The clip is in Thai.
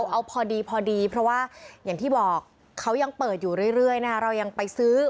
เอาพอดีพอดีเพราะว่าอย่างที่บอกเขายังเปิดอยู่เรื่อยนะคะเรายังไปซื้อ